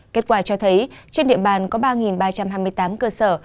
kết quả cho thấy trên địa bàn có ba ba trăm hai mươi tám cơ sở